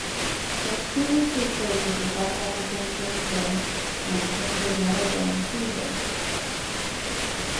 He has previously played with the South African post-grunge and alternative metal band Seether.